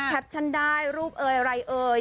ปชั่นได้รูปเอ่ยอะไรเอ่ย